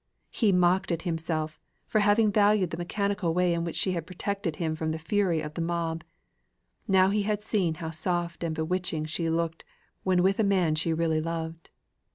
He mocked at himself, for having valued the mechanical way in which she had protected him from the fury of the mob; now he had seen how soft and bewitching she looked when with a man she really loved.